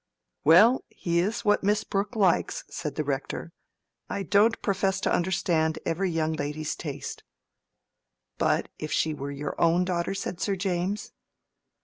"Well, he is what Miss Brooke likes," said the Rector. "I don't profess to understand every young lady's taste." "But if she were your own daughter?" said Sir James.